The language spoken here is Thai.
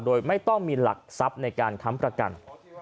โดยไม่ต้องมีหลักทรัพย์ในการค้ำประกัน